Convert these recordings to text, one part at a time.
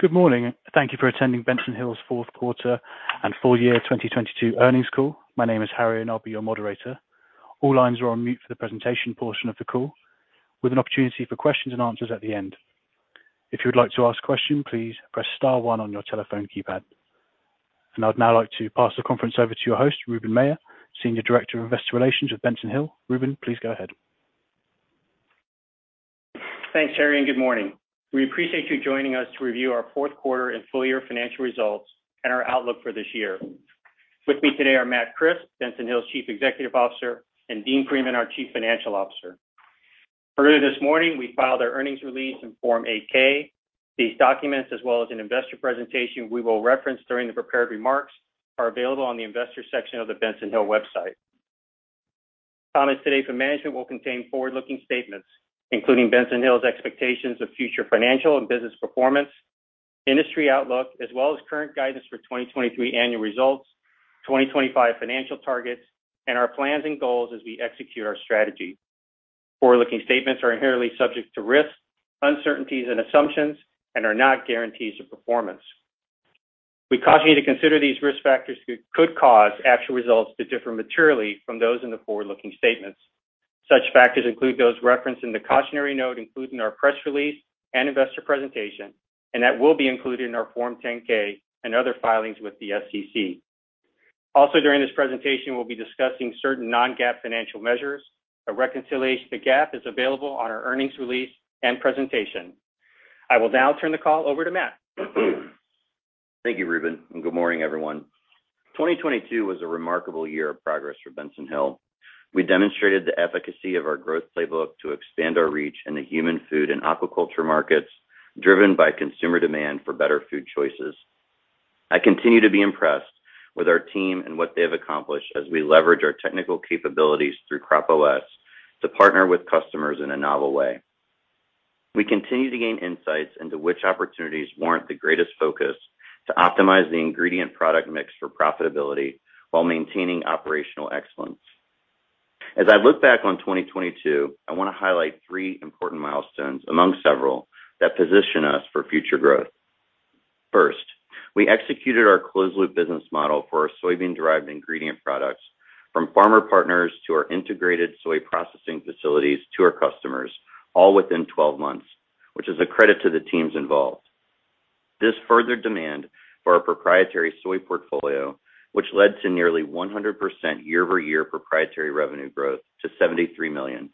Good morning. Thank you for attending Benson Hill's Fourth Quarter and Full Year 2022 Earnings Call. My name is Harry, and I'll be your moderator. All lines are on mute for the presentation portion of the call, with an opportunity for questions and answers at the end. If you would like to ask a question, please press star one on your telephone keypad. I'd now like to pass the conference over to your host, Ruben Mella, Senior Director of Investor Relations with Benson Hill. Ruben, please go ahead. Thanks, Harry. Good morning. We appreciate you joining us to review Our Fourth Quarter and Full year Financial Results and Our Outlook For This Year. With me today are Matt Crisp, Benson Hill's Chief Executive Officer, and Dean Freeman, our Chief Financial Officer. Earlier this morning, we filed our earnings release in Form 8-K. These documents, as well as an investor presentation we will reference during the prepared remarks, are available on the investor section of the Benson Hill website. Comments today from management will contain forward-looking statements, including Benson Hill's expectations of future financial and business performance, industry outlook, as well as current guidance for 2023 annual results, 2025 financial targets, and our plans and goals as we execute our strategy. Forward-looking statements are inherently subject to risks, uncertainties and assumptions, and are not guarantees of performance. We caution you to consider these risk factors could cause actual results to differ materially from those in the forward-looking statements. Such factors include those referenced in the cautionary note included in our press release and investor presentation, that will be included in our Form 10-K and other filings with the SEC. During this presentation, we'll be discussing certain non-GAAP financial measures. A reconciliation to GAAP is available on our earnings release and presentation. I will now turn the call over to Matt. Thank you, Ruben, and good morning, everyone. 2022 was a remarkable year of progress for Benson Hill. We demonstrated the efficacy of our growth playbook to expand our reach in the human food and aquaculture markets, driven by consumer demand for better food choices. I continue to be impressed with our team and what they have accomplished as we leverage our technical capabilities through CropOS to partner with customers in a novel way. We continue to gain insights into which opportunities warrant the greatest focus to optimize the ingredient product mix for profitability while maintaining operational excellence. As I look back on 2022, I wanna highlight three important milestones among several that position us for future growth. First, we executed our closed loop business model for our soybean-derived ingredient products from farmer partners to our integrated soy processing facilities to our customers, all within 12 months, which is a credit to the teams involved. This furthered demand for our proprietary soy portfolio, which led to nearly 100% year-over-year proprietary revenue growth to $73 million.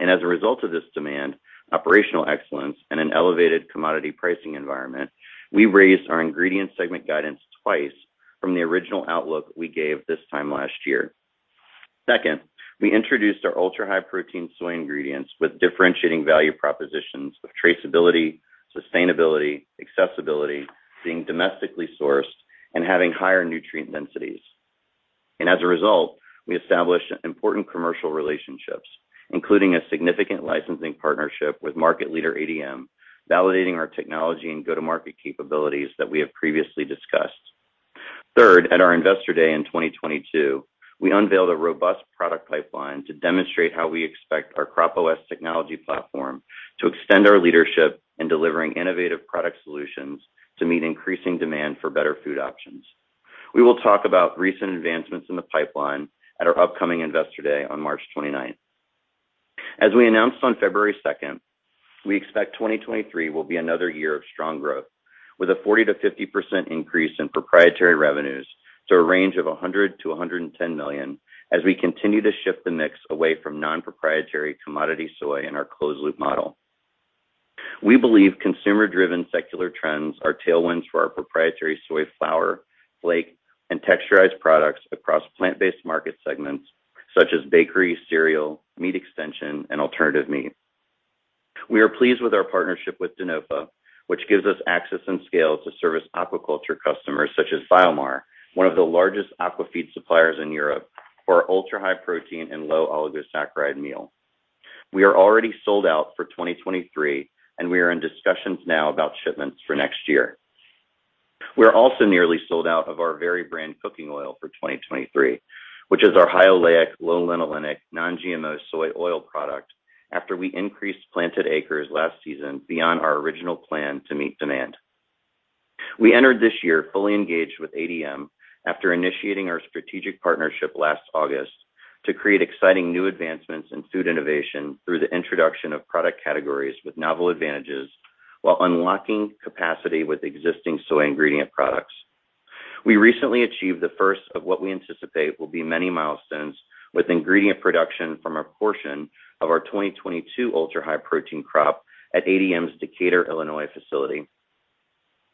As a result of this demand, operational excellence and an elevated commodity pricing environment, we raised our ingredient segment guidance twice from the original outlook we gave this time last year. Second, we introduced our Ultra-High Protein soy ingredients with differentiating value propositions of traceability, sustainability, accessibility, being domestically sourced and having higher nutrient densities. As a result, we established important commercial relationships, including a significant licensing partnership with market leader ADM, validating our technology and go-to-market capabilities that we have previously discussed. Third, at our Investor Day in 2022, we unveiled a robust product pipeline to demonstrate how we expect our CropOS technology platform to extend our leadership in delivering innovative product solutions to meet increasing demand for better food options. We will talk about recent advancements in the pipeline at our upcoming Investor Day on March 29th. As we announced on February 2nd, we expect 2023 will be another year of strong growth, with a 40%-50% increase in proprietary revenues to a range of $100 million-$110 million as we continue to shift the mix away from non-proprietary commodity soy in our closed loop model. We believe consumer-driven secular trends are tailwinds for our proprietary soy flour, flake, and texturized products across plant-based market segments such as bakery, cereal, meat extension, and alternative meat. We are pleased with our partnership with Denofa, which gives us access and scale to service aquaculture customers such as BioMar, one of the largest aquafeed suppliers in Europe, for our Ultra-High Protein and Low Oligosaccharide meal. We are already sold out for 2023, and we are in discussions now about shipments for next year. We are also nearly sold out of our Veri Brand Cooking Oil for 2023, which is our high oleic, low linolenic, non-GMO soy oil product after we increased planted acres last season beyond our original plan to meet demand. We entered this year fully engaged with ADM after initiating our strategic partnership last August to create exciting new advancements in food innovation through the introduction of product categories with novel advantages while unlocking capacity with existing soy ingredient products. We recently achieved the first of what we anticipate will be many milestones with ingredient production from a portion of our 2022 Ultra-High Protein crop at ADM's Decatur, Illinois, facility.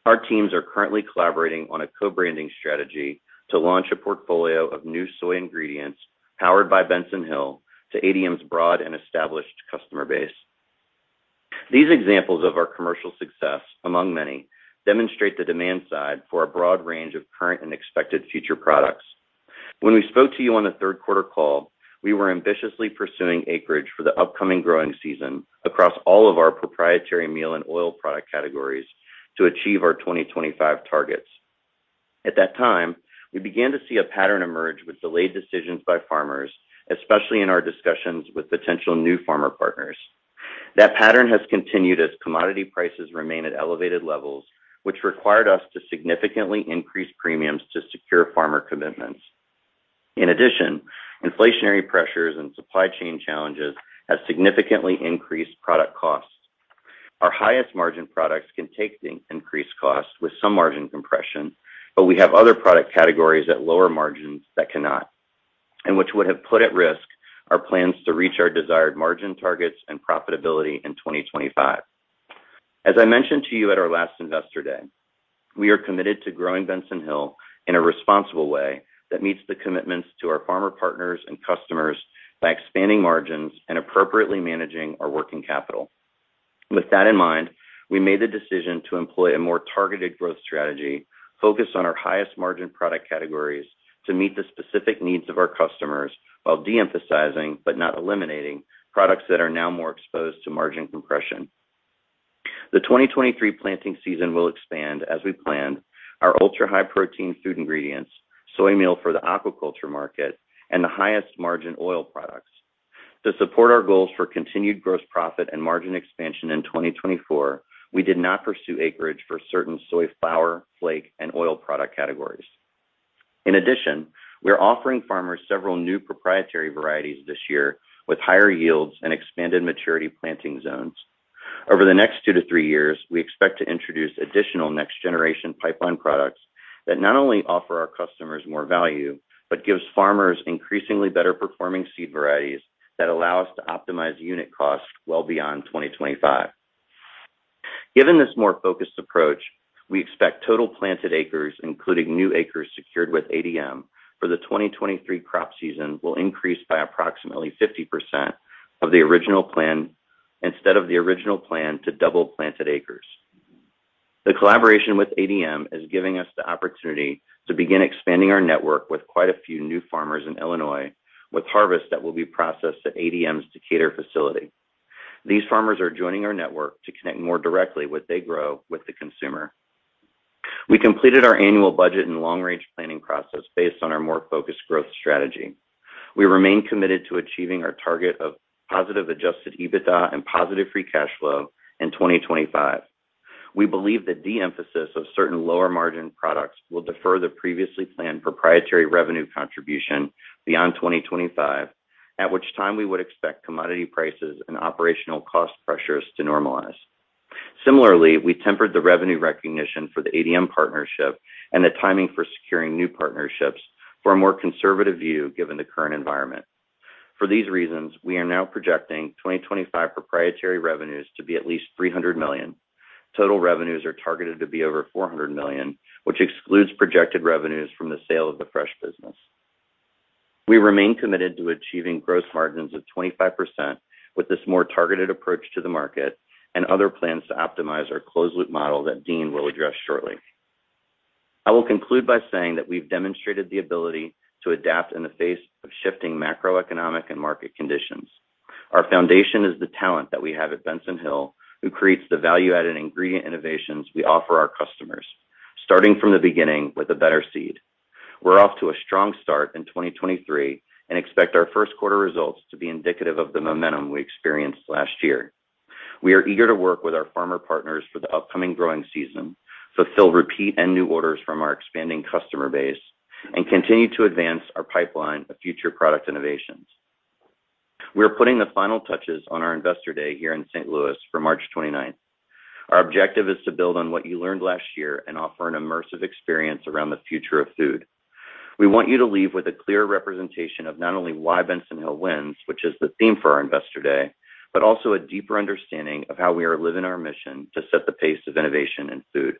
Our teams are currently collaborating on a co-branding strategy to launch a portfolio of new soy ingredients powered by Benson Hill to ADM's broad and established customer base. These examples of our commercial success, among many, demonstrate the demand side for a broad range of current and expected future products. When we spoke to you on the third quarter call, we were ambitiously pursuing acreage for the upcoming growing season across all of our proprietary meal and oil product categories to achieve our 2025 targets. At that time, we began to see a pattern emerge with delayed decisions by farmers, especially in our discussions with potential new farmer partners. That pattern has continued as commodity prices remain at elevated levels, which required us to significantly increase premiums to secure farmer commitments. In addition, inflationary pressures and supply chain challenges have significantly increased product costs. Our highest margin products can take the increased costs with some margin compression, but we have other product categories at lower margins that cannot, and which would have put at risk our plans to reach our desired margin targets and profitability in 2025. As I mentioned to you at our last Investor Day, we are committed to growing Benson Hill in a responsible way that meets the commitments to our farmer partners and customers by expanding margins and appropriately managing our working capital. With that in mind, we made the decision to employ a more targeted growth strategy focused on our highest margin product categories to meet the specific needs of our customers while de-emphasizing, but not eliminating, products that are now more exposed to margin compression. The 2023 planting season will expand as we planned our Ultra-High Protein food ingredients, soy meal for the aquaculture market, and the highest margin oil products. To support our goals for continued gross profit and margin expansion in 2024, we did not pursue acreage for certain soy flour, flake, and oil product categories. In addition, we are offering farmers several new proprietary varieties this year with higher yields and expanded maturity planting zones. Over the next 2-3 years, we expect to introduce additional next-generation pipeline products that not only offer our customers more value but gives farmers increasingly better-performing seed varieties that allow us to optimize unit costs well beyond 2025. Given this more focused approach, we expect total planted acres, including new acres secured with ADM for the 2023 crop season, will increase by approximately 50% of the original plan, instead of the original plan to double planted acres. The collaboration with ADM is giving us the opportunity to begin expanding our network with quite a few new farmers in Illinois with harvest that will be processed at ADM's Decatur facility. These farmers are joining our network to connect more directly what they grow with the consumer. We completed our annual budget and long-range planning process based on our more focused growth strategy. We remain committed to achieving our target of positive adjusted EBITDA and positive free cash flow in 2025. We believe the de-emphasis of certain lower-margin products will defer the previously planned proprietary revenue contribution beyond 2025, at which time we would expect commodity prices and operational cost pressures to normalize. We tempered the revenue recognition for the ADM partnership and the timing for securing new partnerships for a more conservative view, given the current environment. For these reasons, we are now projecting 2025 proprietary revenues to be at least $300 million. Total revenues are targeted to be over $400 million, which excludes projected revenues from the sale of the fresh business. We remain committed to achieving gross margins of 25% with this more targeted approach to the market and other plans to optimize our closed loop model that Dean will address shortly. I will conclude by saying that we've demonstrated the ability to adapt in the face of shifting macroeconomic and market conditions. Our foundation is the talent that we have at Benson Hill, who creates the value-added ingredient innovations we offer our customers, starting from the beginning with a better seed. We're off to a strong start in 2023 and expect our first quarter results to be indicative of the momentum we experienced last year. We are eager to work with our farmer partners for the upcoming growing season, fulfill repeat and new orders from our expanding customer base, and continue to advance our pipeline of future product innovations. We are putting the final touches on our Investor Day here in St. Louis for March 29th. Our objective is to build on what you learned last year and offer an immersive experience around the future of food. We want you to leave with a clear representation of not only why Benson Hill wins, which is the theme for our Investor Day, but also a deeper understanding of how we are living our mission to set the pace of innovation in food.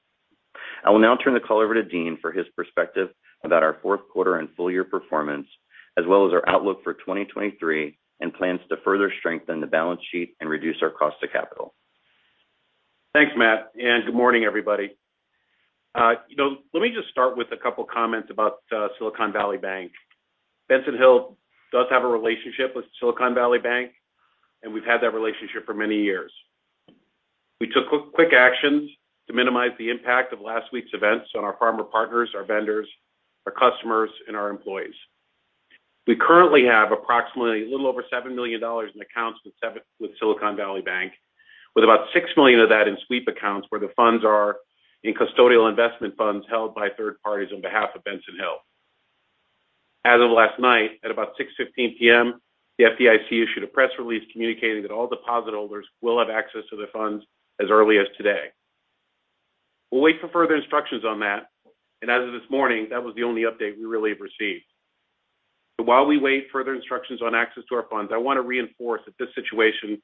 I will now turn the call over to Dean for his perspective about our fourth quarter and full year performance, as well as our outlook for 2023 and plans to further strengthen the balance sheet and reduce our cost of capital. Thanks, Matt. Good morning, everybody. Let me just start with a couple comments about Silicon Valley Bank. Benson Hill does have a relationship with Silicon Valley Bank, and we've had that relationship for many years. We took quick actions to minimize the impact of last week's events on our farmer partners, our vendors, our customers, and our employees. We currently have approximately a little over $7 million in accounts with Silicon Valley Bank, with about $6 million of that in sweep accounts where the funds are in custodial investment funds held by third parties on behalf of Benson Hill. As of last night, at about 6:15 P.M., the FDIC issued a press release communicating that all deposit holders will have access to their funds as early as today. As of this morning, that was the only update we really have received. While we wait further instructions on access to our funds, I wanna reinforce that this situation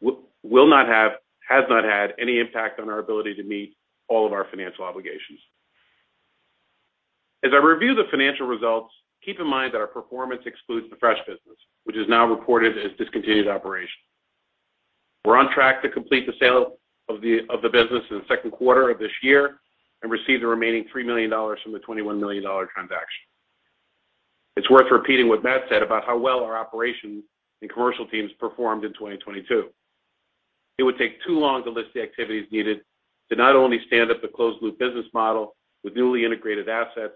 will not have, has not had any impact on our ability to meet all of our financial obligations. As I review the financial results, keep in mind that our performance excludes the fresh business, which is now reported as discontinued operation. We're on track to complete the sale of the business in the second quarter of this year and receive the remaining $3 million from the $21 million transaction. It's worth repeating what Matt said about how well our operations and commercial teams performed in 2022. It would take too long to list the activities needed to not only stand up the closed loop business model with newly integrated assets,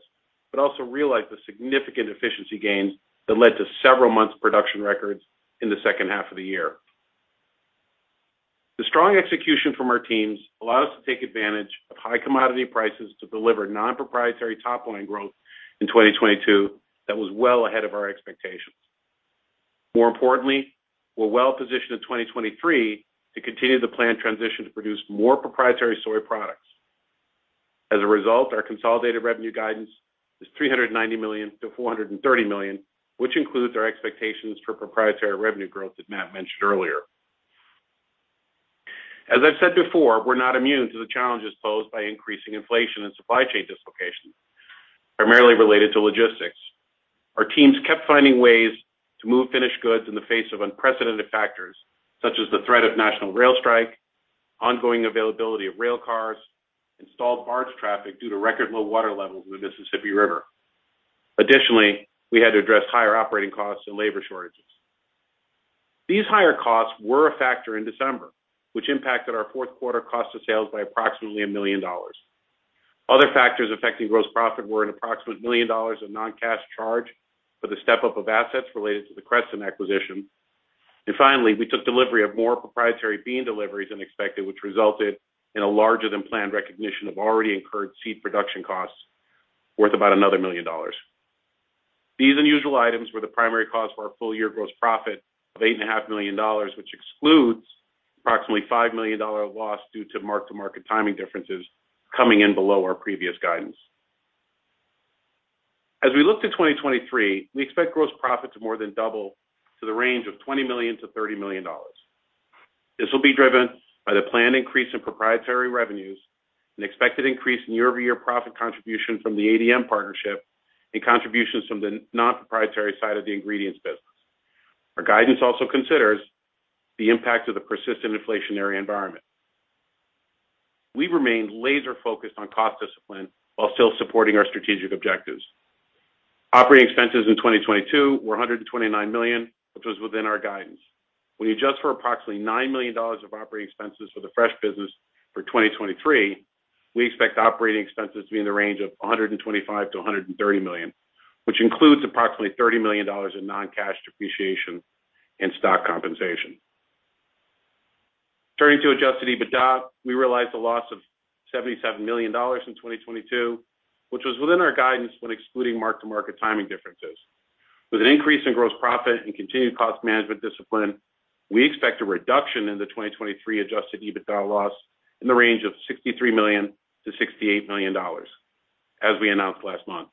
but also realize the significant efficiency gains that led to several months production records in the second half of the year. The strong execution from our teams allow us to take advantage of high commodity prices to deliver non-proprietary top line growth in 2022 that was well ahead of our expectations. More importantly, we're well positioned in 2023 to continue the planned transition to produce more proprietary soy products. As a result, our consolidated revenue guidance is $390 million-$430 million, which includes our expectations for proprietary revenue growth that Matt mentioned earlier. As I've said before, we're not immune to the challenges posed by increasing inflation and supply chain dislocations, primarily related to logistics. Our teams kept finding ways to move finished goods in the face of unprecedented factors such as the threat of national rail strike, ongoing availability of rail cars, inland barge traffic due to record low water levels in the Mississippi River. Additionally, we had to address higher operating costs and labor shortages. These higher costs were a factor in December, which impacted our fourth quarter cost of sales by approximately $1 million. Other factors affecting gross profit were an approximate $1 million of non-cash charge for the step-up of assets related to the Creston acquisition. Finally, we took delivery of more proprietary bean deliveries than expected, which resulted in a larger than planned recognition of already incurred seed production costs worth about $1 million. These unusual items were the primary cause for our full-year gross profit of eight and a half million dollars, which excludes approximately $5 million of loss due to mark-to-market timing differences coming in below our previous guidance. We look to 2023, we expect gross profit to more than double to the range of $20 million-$30 million. This will be driven by the planned increase in proprietary revenues, an expected increase in year-over-year profit contribution from the ADM partnership, contributions from the non-proprietary side of the ingredients business. Our guidance also considers the impact of the persistent inflationary environment. We've remained laser-focused on cost discipline while still supporting our strategic objectives. Operating expenses in 2022 were $129 million, which was within our guidance. When you adjust for approximately $9 million of operating expenses for the fresh business for 2023, we expect operating expenses to be in the range of $125 million-$130 million, which includes approximately $30 million in non-cash depreciation and stock compensation. Turning to adjusted EBITDA, we realized a loss of $77 million in 2022, which was within our guidance when excluding mark-to-market timing differences. With an increase in gross profit and continued cost management discipline, we expect a reduction in the 2023 adjusted EBITDA loss in the range of $63 million-$68 million as we announced last month.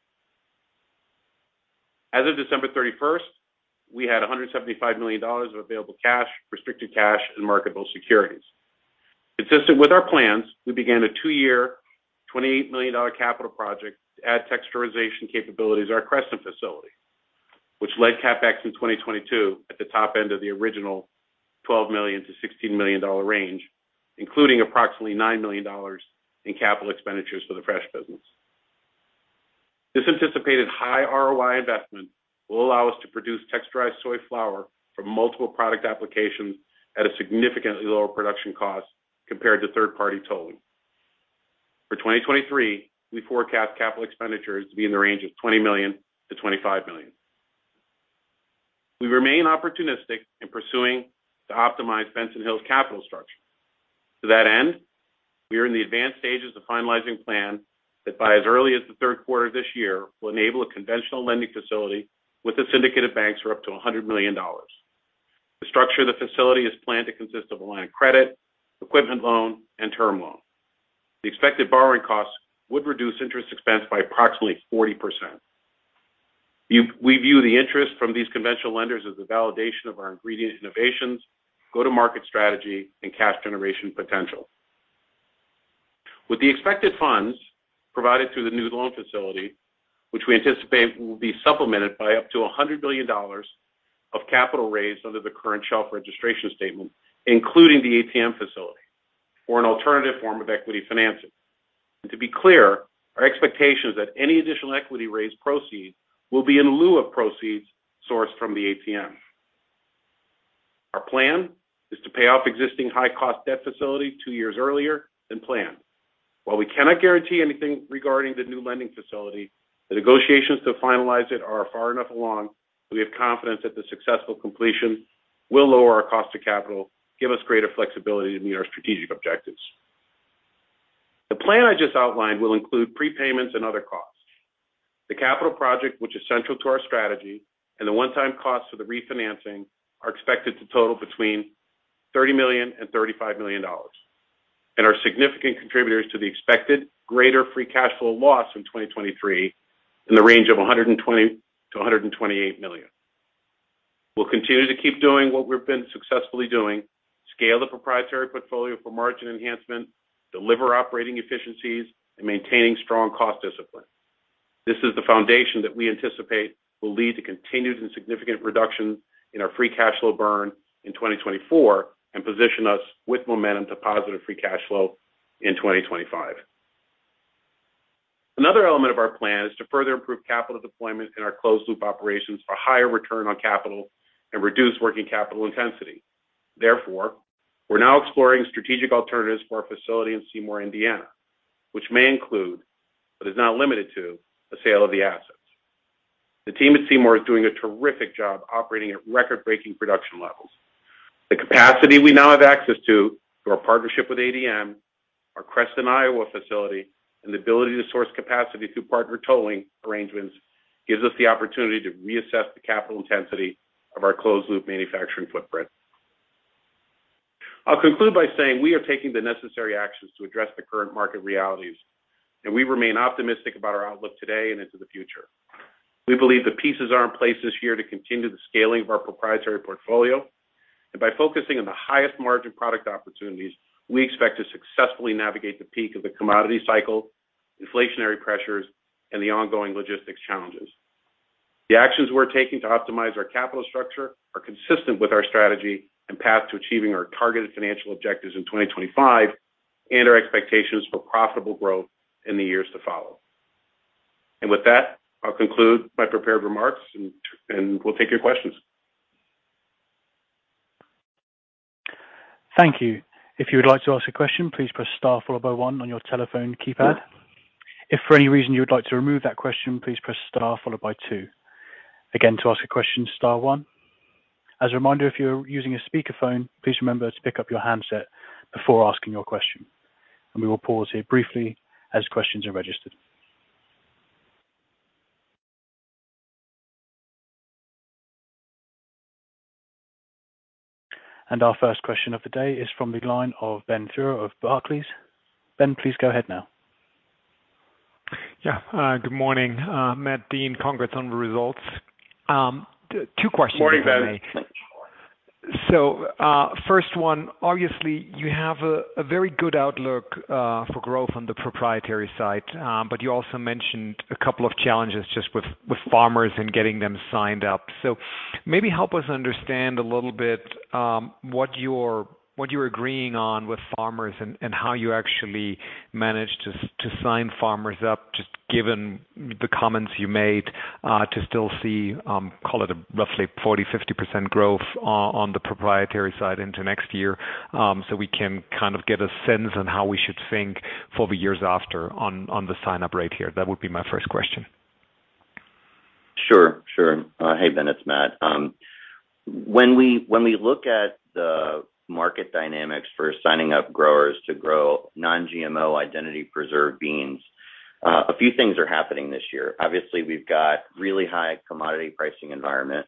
As of December 31st, we had $175 million of available cash, restricted cash, and marketable securities. Consistent with our plans, we began a 2-year, $28 million capital project to add texturization capabilities at our Creston facility, which led CapEx in 2022 at the top end of the original $12 million-$16 million range, including approximately $9 million in capital expenditures for the fresh business. This anticipated high ROI investment will allow us to produce texturized soy flour for multiple product applications at a significantly lower production cost compared to third-party tolling. For 2023, we forecast capital expenditures to be in the range of $20 million-$25 million. We remain opportunistic in pursuing to optimize Benson Hill's capital structure. To that end, we are in the advanced stages of finalizing a plan that by as early as the third quarter this year will enable a conventional lending facility with the syndicated banks for up to $100 million. The structure of the facility is planned to consist of a line of credit, equipment loan, and term loan. The expected borrowing costs would reduce interest expense by approximately 40%. We view the interest from these conventional lenders as a validation of our ingredient innovations, go-to-market strategy, and cash generation potential. With the expected funds provided through the new loan facility, which we anticipate will be supplemented by up to $100 million of capital raised under the current shelf registration statement, including the ATM facility or an alternative form of equity financing. To be clear, our expectation is that any additional equity raise proceeds will be in lieu of proceeds sourced from the ATM. Our plan is to pay off existing high-cost debt facility two years earlier than planned. While we cannot guarantee anything regarding the new lending facility, the negotiations to finalize it are far enough along that we have confidence that the successful completion will lower our cost of capital, give us greater flexibility to meet our strategic objectives. The plan I just outlined will include prepayments and other costs. The capital project, which is central to our strategy, and the one-time costs of the refinancing are expected to total between $30 million and $35 million and are significant contributors to the expected greater free cash flow loss in 2023 in the range of $120 million-$128 million. We'll continue to keep doing what we've been successfully doing, scale the proprietary portfolio for margin enhancement, deliver operating efficiencies, and maintaining strong cost discipline. This is the foundation that we anticipate will lead to continued and significant reduction in our free cash flow burn in 2024 and position us with momentum to positive free cash flow in 2025. Another element of our plan is to further improve capital deployment in our closed loop operations for higher return on capital and reduce working capital intensity. We're now exploring strategic alternatives for our facility in Seymour, Indiana, which may include, but is not limited to, the sale of the assets. The team at Seymour is doing a terrific job operating at record-breaking production levels. The capacity we now have access to through our partnership with ADM, our Creston, Iowa facility, and the ability to source capacity through partner towing arrangements gives us the opportunity to reassess the capital intensity of our closed loop manufacturing footprint. I'll conclude by saying we are taking the necessary actions to address the current market realities, and we remain optimistic about our outlook today and into the future. We believe the pieces are in place this year to continue the scaling of our proprietary portfolio. By focusing on the highest margin product opportunities, we expect to successfully navigate the peak of the commodity cycle, inflationary pressures, and the ongoing logistics challenges. The actions we're taking to optimize our capital structure are consistent with our strategy and path to achieving our targeted financial objectives in 2025 and our expectations for profitable growth in the years to follow. With that, I'll conclude my prepared remarks and we'll take your questions. Thank you. If you would like to ask a question, please press Star followed by one on your telephone keypad. If for any reason you would like to remove that question, please press Star followed by two. Again, to ask a question, star one. As a reminder, if you're using a speakerphone, please remember to pick up your handset before asking your question. We will pause here briefly as questions are registered. Our first question of the day is from the line of Ben Theurer of Barclays. Ben, please go ahead now. Yeah. good morning, Matt, Dean. Congrats on the results. two questions for me. Morning, Ben. First one, obviously, you have a very good outlook for growth on the proprietary side, but you also mentioned a couple of challenges just with farmers and getting them signed up. Maybe help us understand a little bit what you're agreeing on with farmers and how you actually manage to sign farmers up, just given the comments you made to still see, call it a roughly 40%-50% growth on the proprietary side into next year, so we can kind of get a sense on how we should think for the years after on the sign-up rate here. That would be my first question. Sure. Sure. Hey, Ben, it's Matt. When we look at the market dynamics for signing up growers to grow non-GMO identity preserved beans, a few things are happening this year. Obviously, we've got really high commodity pricing environment.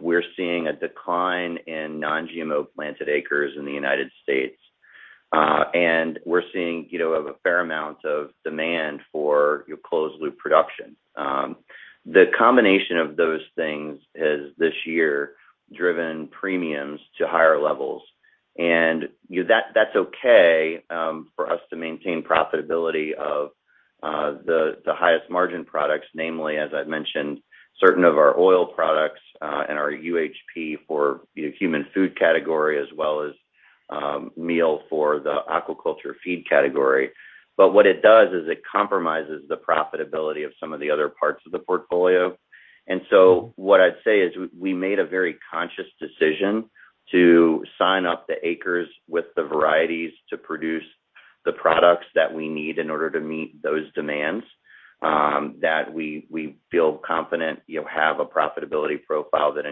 We're seeing a decline in non-GMO planted acres in the United States. And we're seeing, you know, a fair amount of demand for your closed loop production. The combination of those things has this year driven premiums to higher levels. That's okay, for us to maintain profitability of the highest margin products, namely, as I mentioned, certain of our oil products, and our UHP for human food category, as well as meal for the aquaculture feed category. What it does is it compromises the profitability of some of the other parts of the portfolio. What I'd say is we made a very conscious decision to sign up the acres with the varieties to produce the products that we need in order to meet those demands, that we feel confident you have a profitability profile that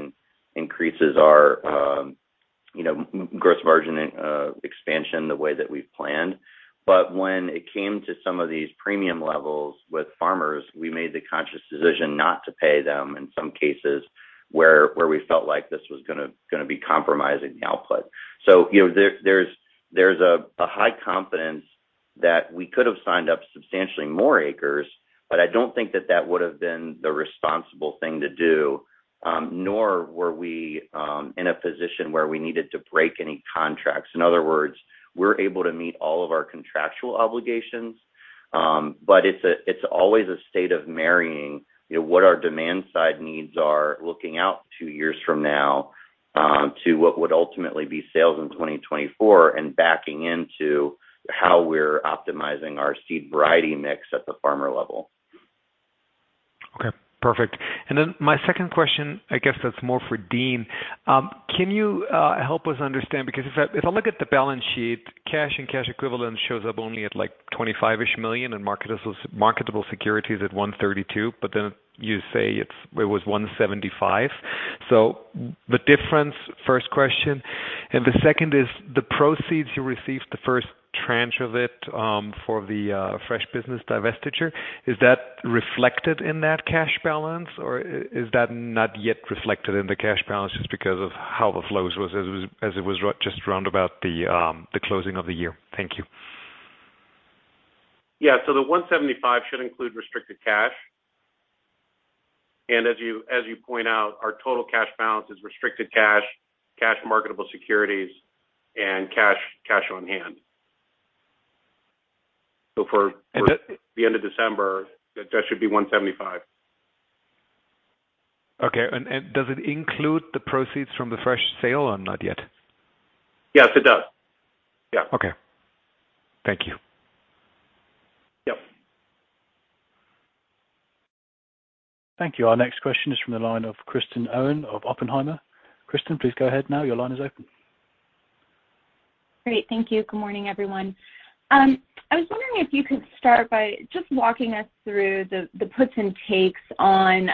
increases our, you know, gross margin expansion the way that we planned. When it came to some of these premium levels with farmers, we made the conscious decision not to pay them in some cases where we felt like this was gonna be compromising the output. You know, there's a high confidence that we could have signed up substantially more acres, but I don't think that that would have been the responsible thing to do, nor were we in a position where we needed to break any contracts. In other words, we're able to meet all of our contractual obligations, but it's always a state of marrying, you know, what our demand side needs are looking out two years from now, to what would ultimately be sales in 2024 and backing into how we're optimizing our seed variety mix at the farmer level. Okay, perfect. My second question, I guess that's more for Dean. Can you help us understand? Because if I look at the balance sheet, cash and cash equivalent shows up only at, like, $25 million-ish and marketable securities at $132, but then you say it's, it was $175. The difference, first question? The second is the proceeds you received the first tranche of it, for the fresh business divestiture, is that reflected in that cash balance, or is that not yet reflected in the cash balance just because of how the flows was just around about the closing of the year? Thank you. Yeah. The $175 should include restricted cash. As you point out, our total cash balance is restricted cash, marketable securities, and cash on hand. And that- The end of December, that should be $175. Okay. Does it include the proceeds from the fresh sale or not yet? Yes, it does. Yeah. Okay. Thank you. Yep. Thank you. Our next question is from the line of Kristen Owen of Oppenheimer. Kristen, please go ahead now. Your line is open. Great. Thank you. Good morning, everyone. I was wondering if you could start by just walking us through the puts and takes on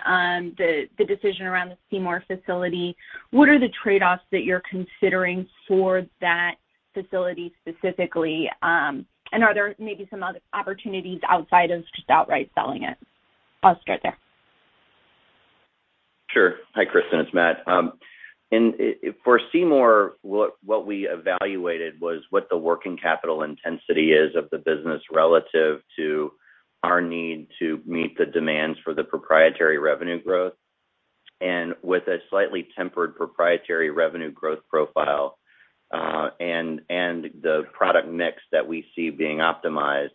the decision around the Seymour facility. What are the trade-offs that you're considering for that facility specifically? Are there maybe some other opportunities outside of just outright selling it? I'll start there. Sure. Hi, Kristen. It's Matt. for Seymour, what we evaluated was what the working capital intensity is of the business relative to our need to meet the demands for the proprietary revenue growth. With a slightly tempered proprietary revenue growth profile, and the product mix that we see being optimized,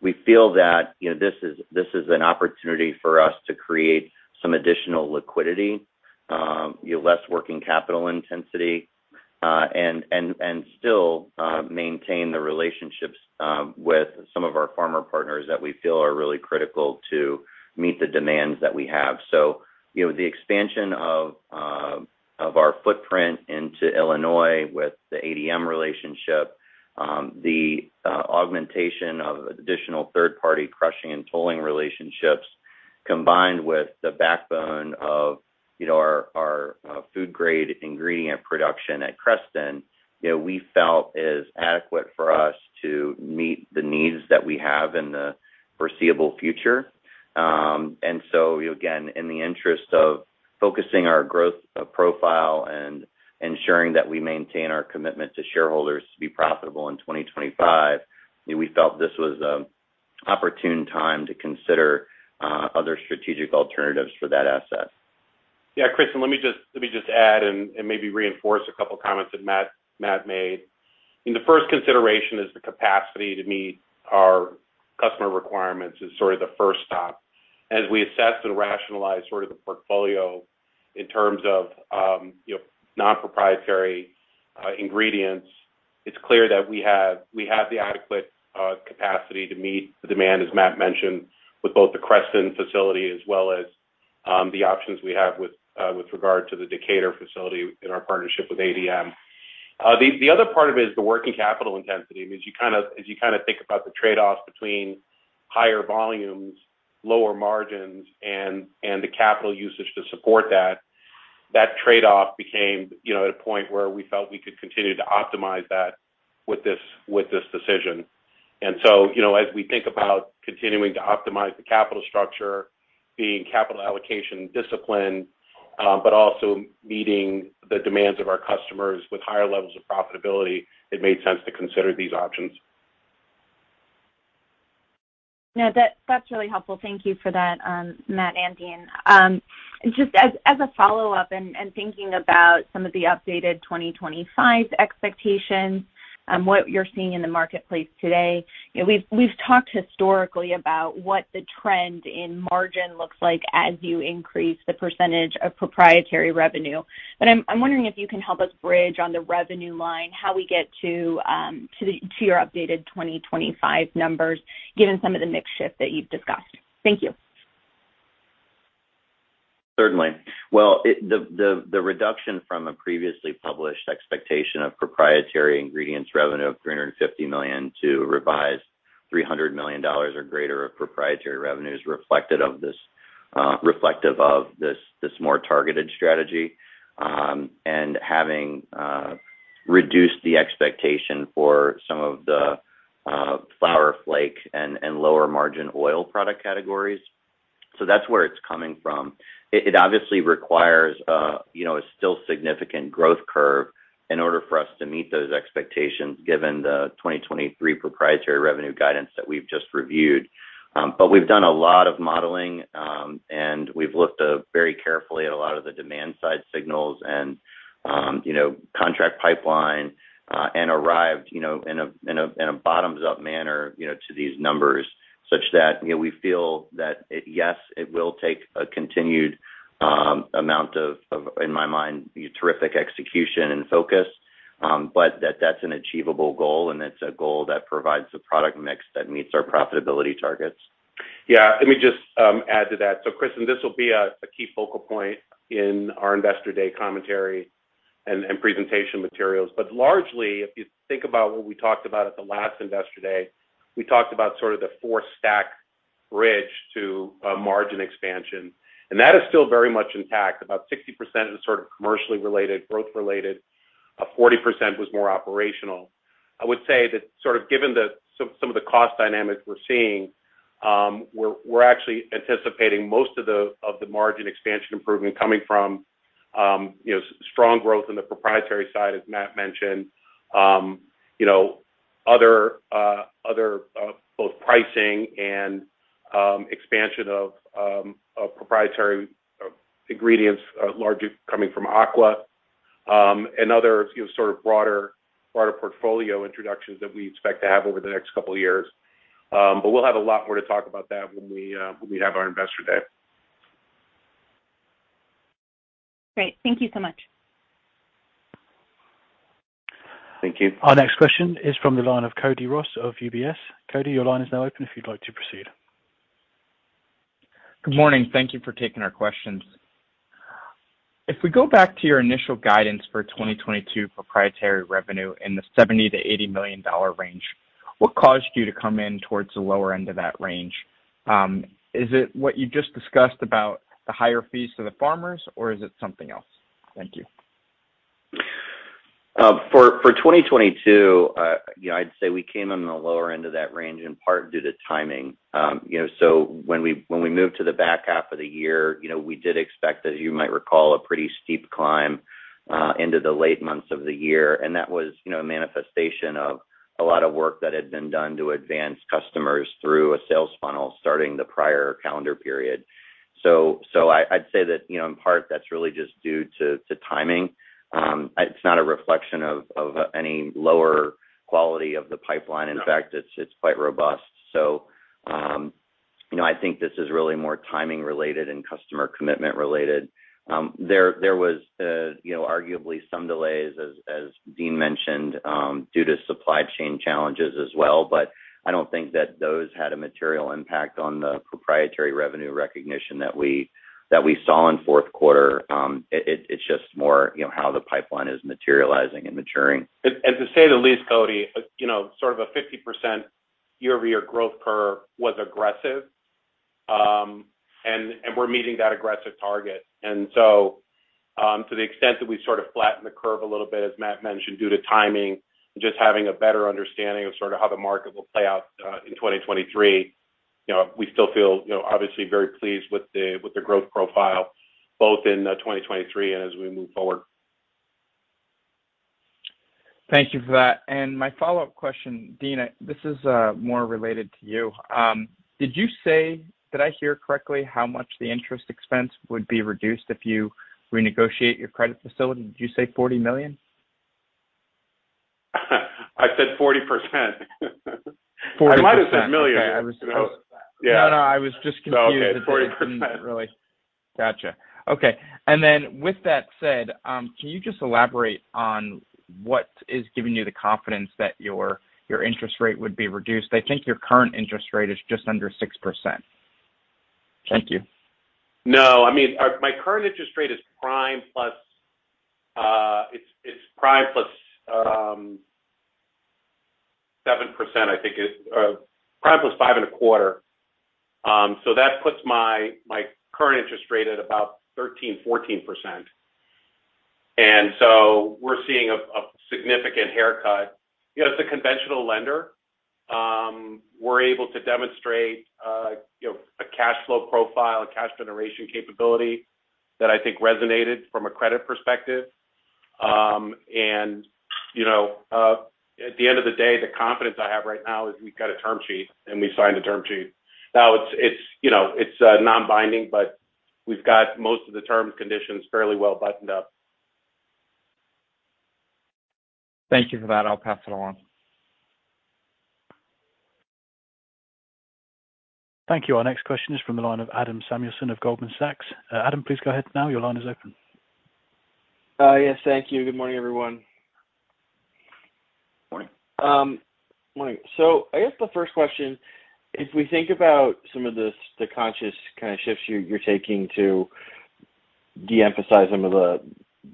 we feel that, you know, this is, this is an opportunity for us to create some additional liquidity, you know, less working capital intensity, and still, maintain the relationships, with some of our farmer partners that we feel are really critical to meet the demands that we have. You know, the expansion of our footprint into Illinois with the ADM relationship, the augmentation of additional third-party crushing and tolling relationships, combined with the backbone of, you know, our food grade ingredient production at Creston, you know, we felt is adequate for us to meet the needs that we have in the foreseeable future. Again, in the interest of focusing our growth profile and ensuring that we maintain our commitment to shareholders to be profitable in 2025, we felt this was an opportune time to consider other strategic alternatives for that asset. Yeah, Kristen, let me just add and maybe reinforce a couple of comments that Matt made. I mean, the first consideration is the capacity to meet our customer requirements is sort of the first stop. As we assess and rationalize sort of the portfolio in terms of, you know, non-proprietary ingredients, it's clear that we have the adequate capacity to meet the demand, as Matt mentioned, with both the Creston facility as well as the options we have with regard to the Decatur facility in our partnership with ADM. The other part of it is the working capital intensity. As you kind of think about the trade-offs between higher volumes, lower margins and the capital usage to support that trade-off became, you know, at a point where we felt we could continue to optimize that with this decision. You know, as we think about continuing to optimize the capital structure, being capital allocation discipline, but also meeting the demands of our customers with higher levels of profitability, it made sense to consider these options. No, that's really helpful. Thank you for that, Matt and Andy. just as a follow-up and thinking about some of the updated 2025 expectations, what you're seeing in the marketplace today, you know, we've talked historically about what the trend in margin looks like as you increase the percentage of proprietary revenue. I'm wondering if you can help us bridge on the revenue line how we get to your updated 2025 numbers, given some of the mix shift that you've discussed. Thank you. Certainly. Well, the reduction from a previously published expectation of proprietary ingredients revenue of $350 million to revised $300 million or greater of proprietary revenue is reflective of this more targeted strategy, and having reduced the expectation for some of the flour, flake and lower margin oil product categories. That's where it's coming from. It obviously requires, you know, a still significant growth curve in order for us to meet those expectations, given the 2023 proprietary revenue guidance that we've just reviewed. We've done a lot of modeling, and we've looked very carefully at a lot of the demand side signals and, you know, contract pipeline, and arrived, you know, in a, in a, in a bottoms-up manner, you know, to these numbers, such that, you know, we feel that it, yes, it will take a continued amount of in my mind, terrific execution and focus, but that's an achievable goal, and it's a goal that provides the product mix that meets our profitability targets. Let me just add to that. Kristen, this will be a key focal point in our investor day commentary and presentation materials. Largely, if you think about what we talked about at the last Investor Day, we talked about sort of the four-stack bridge to margin expansion, and that is still very much intact. 60% is sort of commercially related, growth related, 40% was more operational. I would say that sort of given some of the cost dynamics we're seeing, we're actually anticipating most of the margin expansion improvement coming from, you know, strong growth in the proprietary side, as Matt mentioned. You know, other, both pricing and expansion of proprietary ingredients, largely coming from Aqua. Other, you know, sort of broader portfolio introductions that we expect to have over the next couple of years. We'll have a lot more to talk about that when we, when we have our investor day. Great. Thank you so much. Thank you. Our next question is from the line of Cody Ross of UBS. Cody, your line is now open if you'd like to proceed. Good morning. Thank you for taking our questions. If we go back to your initial guidance for 2022 proprietary revenue in the $70 million-$80 million range, what caused you to come in towards the lower end of that range? Is it what you just discussed about the higher fees to the farmers, or is it something else? Thank you. For 2022, you know, I'd say we came in the lower end of that range in part due to timing. You know, when we moved to the back half of the year, you know, we did expect, as you might recall, a pretty steep climb into the late months of the year. That was, you know, a manifestation of a lot of work that had been done to advance customers through a sales funnel starting the prior calendar period. I'd say that, you know, in part, that's really just due to timing. It's not a reflection of any lower quality of the pipeline. In fact, it's quite robust. You know, I think this is really more timing related and customer commitment related. There was, you know, arguably some delays as Dean mentioned, due to supply chain challenges as well. I don't think that those had a material impact on the proprietary revenue recognition that we saw in fourth quarter. It's just more, you know, how the pipeline is materializing and maturing. To say the least, Cody, you know, sort of a 50% year-over-year growth curve was aggressive. And we're meeting that aggressive target. To the extent that we sort of flatten the curve a little bit, as Matt mentioned, due to timing and just having a better understanding of sort of how the market will play out in 2023, you know, we still feel, you know, obviously very pleased with the growth profile both in 2023 and as we move forward. Thank you for that. My follow-up question, Dean, this is more related to you. Did I hear correctly how much the interest expense would be reduced if you renegotiate your credit facility? Did you say $40 million? I said 40%. 40%. Okay. I might have said million. No, no, I was just confused. Okay. 40%. Gotcha. Okay. With that said, can you just elaborate on what is giving you the confidence that your interest rate would be reduced? I think your current interest rate is just under 6%. Thank you. No, I mean, my current interest rate is prime plus, it's prime plus 7%, I think. It's probably plus 5.25%. That puts my current interest rate at about 13%-14%. We're seeing a significant haircut. You know, it's a conventional lender. We're able to demonstrate, you know, a cash flow profile, a cash generation capability that I think resonated from a credit perspective. You know, at the end of the day, the confidence I have right now is we've got a term sheet, and we signed a term sheet. Now, it's, you know, it's non-binding, but we've got most of the terms, conditions fairly well buttoned up. Thank you for that. I'll pass it along. Thank you. Our next question is from the line of Adam Samuelson of Goldman Sachs. Adam, please go ahead now. Your line is open. Yes, thank you. Good morning, everyone. Morning. Morning. I guess the first question, if we think about some of the conscious kind of shifts you're taking to de-emphasize some of the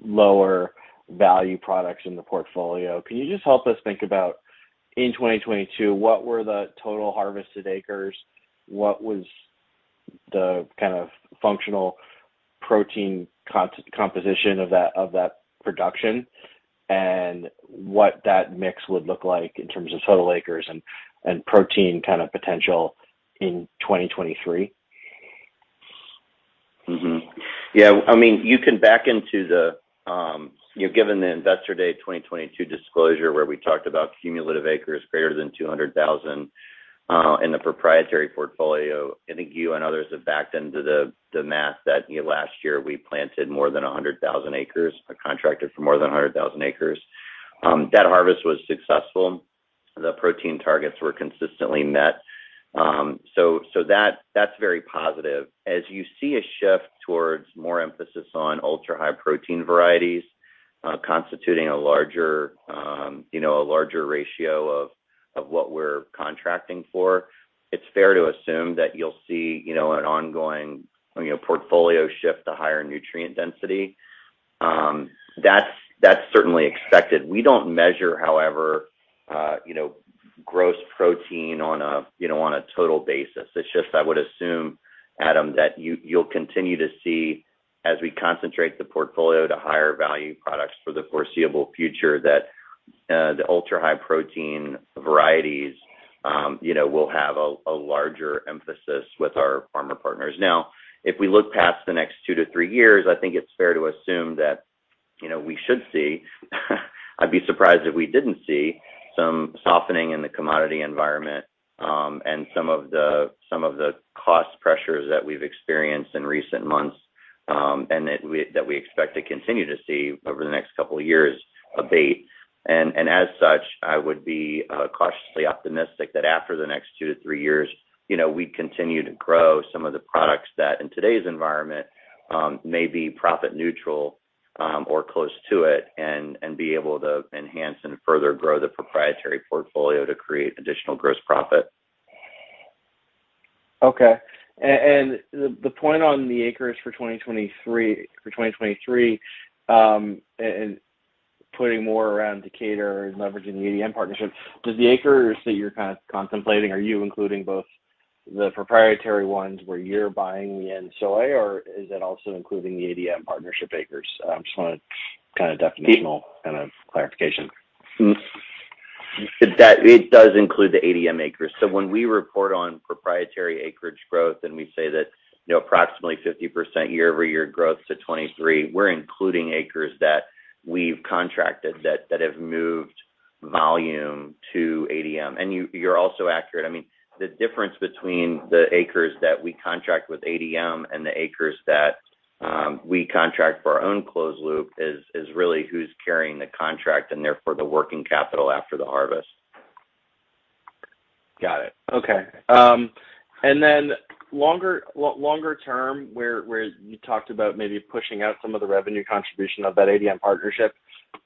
lower value products in the portfolio, can you just help us think about in 2022, what were the total harvested acres? What was the kind of functional protein composition of that, of that production, and what that mix would look like in terms of total acres and protein kind of potential in 2023? Yeah, I mean, you can back into the, you know, given the Investor Day 2022 disclosure, where we talked about cumulative acres greater than 200,000 in the proprietary portfolio, I think you and others have backed into the math that last year we planted more than 100,000 acres, or contracted for more than 100,000 acres. That harvest was successful. The protein targets were consistently met. That's very positive. As you see a shift towards more emphasis on Ultra-High Protein varieties, constituting a larger, you know, a larger ratio of what we're contracting for, it's fair to assume that you'll see, you know, an ongoing, you know, portfolio shift to higher nutrient density. That's certainly expected. We don't measure, however, you know, gross protein on a, you know, on a total basis. It's just I would assume, Adam, that you'll continue to see as we concentrate the portfolio to higher value products for the foreseeable future, that, the Ultra-High Protein varieties, you know, will have a larger emphasis with our farmer partners. Now, if we look past the next two to three years, I think it's fair to assume that, you know, I'd be surprised if we didn't see some softening in the commodity environment, and some of the cost pressures that we've experienced in recent months, and that we, that we expect to continue to see over the next couple of years abate. As such, I would be cautiously optimistic that after the next two to three years, you know, we continue to grow some of the products that in today's environment may be profit neutral or close to it and be able to enhance and further grow the proprietary portfolio to create additional gross profit. Okay. The point on the acres for 2023, and putting more around Decatur and leveraging the ADM partnership, does the acres that you're kind of contemplating, are you including both the proprietary ones where you're buying the end soy or is it also including the ADM partnership acres? Just wanna definitional clarification. It does include the ADM acres. When we report on proprietary acreage growth, and we say that, you know, approximately 50% year-over-year growth to 2023, we're including acres that we've contracted that have moved volume to ADM. You're also accurate. I mean, the difference between the acres that we contract with ADM and the acres that we contract for our own closed loop is really who's carrying the contract and therefore the working capital after the harvest. Got it. Okay. longer term, where you talked about maybe pushing out some of the revenue contribution of that ADM partnership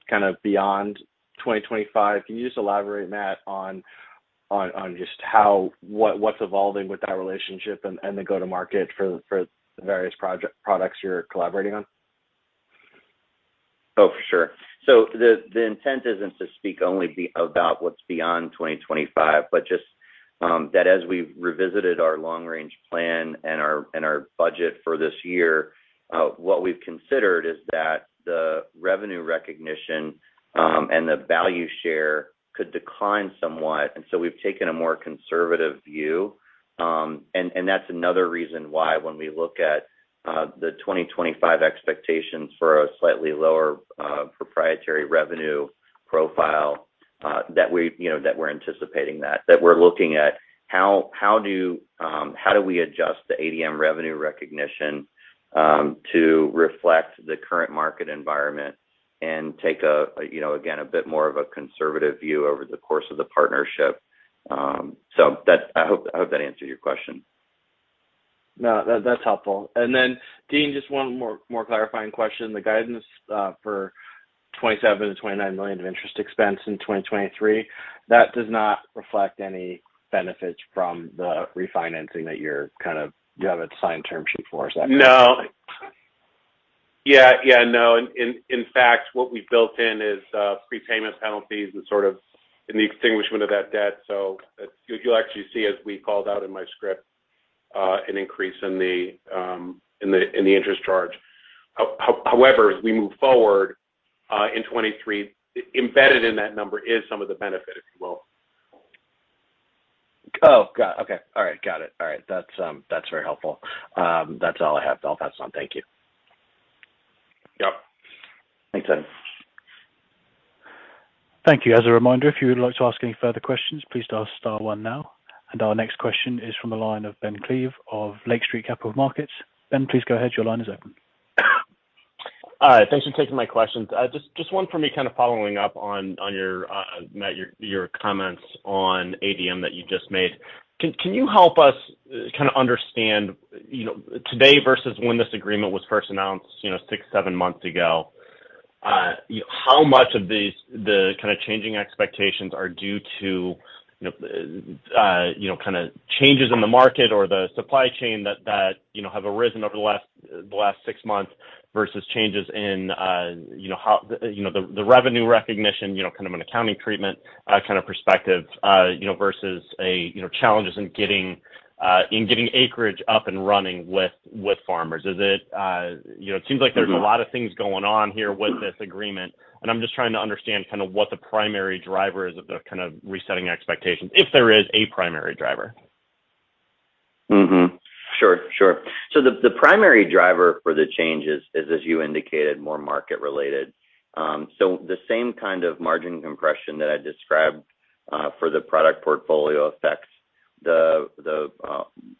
kind of beyond 2025, can you just elaborate, Matt, on just what's evolving with that relationship and the go-to-market for the various products you're collaborating on? For sure. The intent isn't to speak only about what's beyond 2025, but just that as we revisited our long range plan and our budget for this year, what we've considered is that the revenue recognition and the value share could decline somewhat. We've taken a more conservative view. That's another reason why when we look at the 2025 expectations for a slightly lower proprietary revenue profile, that we, you know, that we're anticipating that we're looking at how do we adjust the ADM revenue recognition to reflect the current market environment and take a, you know, again, a bit more of a conservative view over the course of the partnership. I hope that answered your question. No, that's helpful. Dean, just one more clarifying question. The guidance for $27 million-$29 million of interest expense in 2023, that does not reflect any benefits from the refinancing that you have a signed term sheet for; is that correct? No. Yeah, yeah, no. In fact, what we built in is prepayment penalties and sort of in the extinguishment of that debt. You'll actually see, as we called out in my script, an increase in the interest charge. However, as we move forward in 2023, embedded in that number is some of the benefit, if you will. Oh, okay. All right. Got it. All right. That's very helpful. That's all I have. I'll pass on. Thank you. Yep. Thanks, Dean. Thank you. As a reminder, if you would like to ask any further questions, please dial star one now. Our next question is from the line of Ben Klieve of Lake Street Capital Markets. Ben, please go ahead. Your line is open. Thanks for taking my questions. Just one for me kind of following up on your, Matt, your comments on ADM that you just made. Can you help us kind of understand, you know, today versus when this agreement was first announced, you know, 6, 7 months ago, you know, how much of the kind of changing expectations are due to, you know, you know, kind of changes in the market or the supply chain that, you know, have arisen over the last 6 months versus changes in, you know, how, you know, the revenue recognition, you know, kind of an accounting treatment, kind of perspective, you know, versus a, you know, challenges in getting acreage up and running with farmers? Is it, you know, it seems like there's a lot of things going on here with this agreement, and I'm just trying to understand kind of what the primary driver is of the kind of resetting expectations, if there is a primary driver. Sure, sure. The, the primary driver for the changes is, as you indicated, more market related. The same kind of margin compression that I described for the product portfolio affects the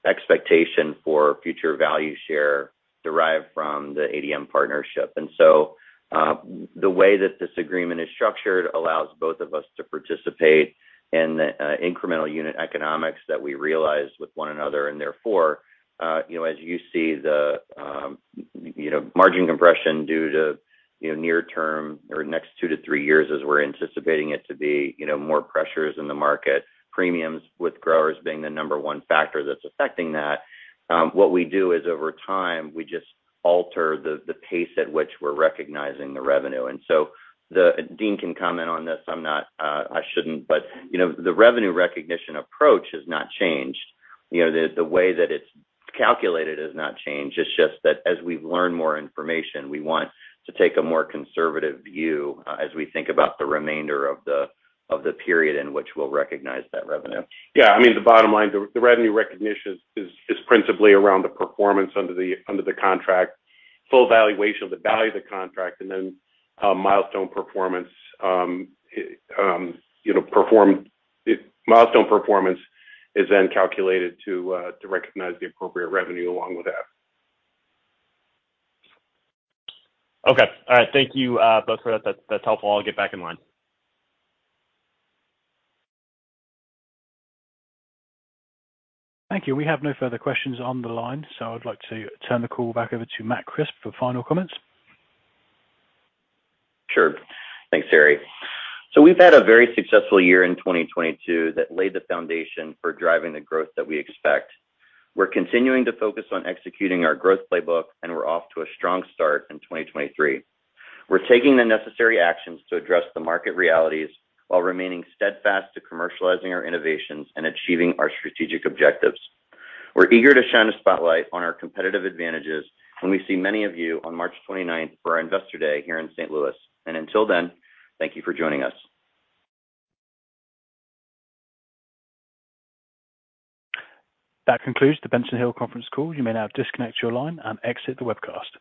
expectation for future value share derived from the ADM partnership. The way that this agreement is structured allows both of us to participate in the incremental unit economics that we realize with one another. You know, as you see the, you know, margin compression due to, you know, near term or next two to three years as we're anticipating it to be, you know, more pressures in the market, premiums with growers being the number 1 factor that's affecting that. What we do is over time, we just alter the pace at which we're recognizing the revenue. Dean can comment on this. I'm not, I shouldn't. You know, the revenue recognition approach has not changed. You know, the way that it's calculated has not changed. It's just that as we learn more information, we want to take a more conservative view as we think about the remainder of the period in which we'll recognize that revenue. Yeah, I mean, the bottom line, the revenue recognition is principally around the performance under the contract, full valuation of the value of the contract, and then, milestone performance, you know, is then calculated to recognize the appropriate revenue along with that. Okay. All right. Thank you, both for that. That's helpful. I'll get back in line. Thank you. We have no further questions on the line, I'd like to turn the call back over to Matt Crisp for final comments. Sure. Thanks, Harry. We've had a very successful year in 2022 that laid the foundation for driving the growth that we expect. We're continuing to focus on executing our growth playbook, and we're off to a strong start in 2023. We're taking the necessary actions to address the market realities while remaining steadfast to commercializing our innovations and achieving our strategic objectives. We're eager to shine a spotlight on our competitive advantages when we see many of you on March 29th for our Investor Day here in St. Louis. Until then, thank you for joining us. That concludes the Benson Hill Conference Call. You may now disconnect your line and exit the webcast.